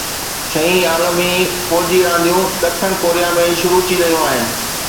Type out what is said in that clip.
ڇهين عالمي فوجي رانديون ڏکڻ ڪوريا ۾ شروع ٿي رهيون آهن